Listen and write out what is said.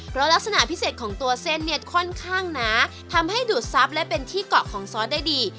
เพราะลักษณะพิเศษของตัวเส้นเนี่ยค่อนข้างหนาทำให้ดูดทรัพย์และเป็นที่เกาะของซอสได้ดี